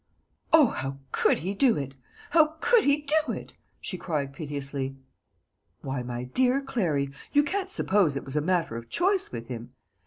"O, how could he do it! how could he do it!" she cried piteously. "Why, my dear Clary, you can't suppose it was a matter of choice with him.